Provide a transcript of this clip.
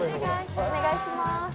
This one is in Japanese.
お願いします。